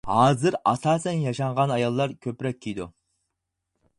ھازىر ئاساسەن ياشانغان ئاياللار كۆپرەك كىيىدۇ.